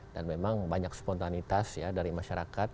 dan memang banyak spontanitas dari masyarakat